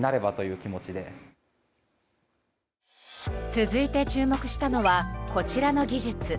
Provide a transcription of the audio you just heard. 続いて注目したのはこちらの技術。